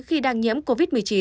khi đang nhiễm covid một mươi chín